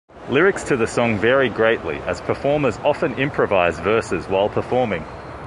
Lyrics to the song vary greatly, as performers often improvise verses while performing.